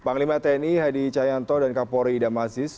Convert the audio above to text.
panglima tni hadi cahyanto dan kapolri idam aziz